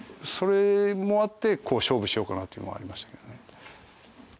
修譴發△辰勝負しようかなというのもありましたけどね。